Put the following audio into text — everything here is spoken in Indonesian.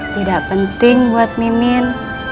tidak penting buat mimin